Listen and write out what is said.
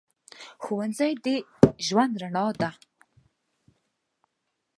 ښوونځی د ژوند رڼا ده